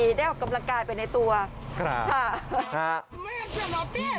ครับครับครับครับครับครับครับครับ